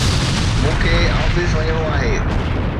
مون کي آفيس وڃڻو آهي